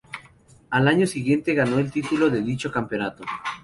Al año siguiente ganó el título de dicho campeonato.